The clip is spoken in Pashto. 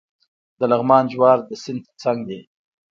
د لغمان جوار د سیند ترڅنګ دي.